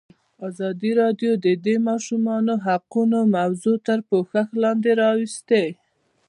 ازادي راډیو د د ماشومانو حقونه موضوع تر پوښښ لاندې راوستې.